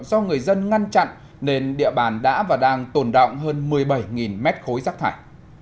do người dân ngăn chặn nên địa bàn đã và đang tồn động hơn một mươi bảy mét khối rác thải